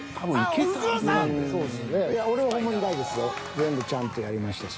全部ちゃんとやりましたし］